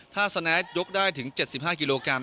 ถ้าสแนทยกได้ถึง๗๕กิโลกรัม